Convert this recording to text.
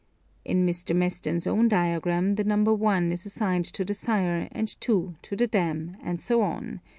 [In Mr. Meston's own diagram, the number i is assigned to the sire, and 2 to the dam, and so on.